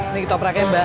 ini kita prake mbak